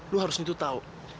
lu harus itu tahu